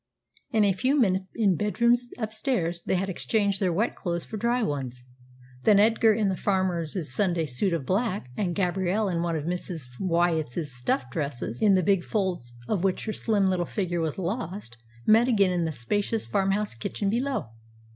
In a few minutes, in bedrooms upstairs, they had exchanged their wet clothes for dry ones. Then Edgar in the farmer's Sunday suit of black, and Gabrielle in one of Mrs. Wyatt's stuff dresses, in the big folds of which her slim little figure was lost, met again in the spacious farmhouse kitchen below.